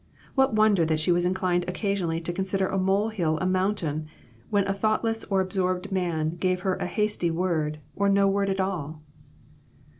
What wonder that she was inclined occasionally to consider a molehill a mountain, when a thoughtless or absorbed man gave her a hasty word, or no word at all